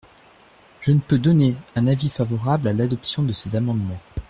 Je ne peux donner un avis favorable à l’adoption de ces amendements.